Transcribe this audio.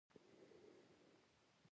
سولي کولو ته مجبور شو.